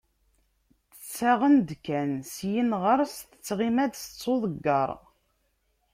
Ttaɣen-d kan, syin ɣer-s, tettɣima-d tettwaḍeggar.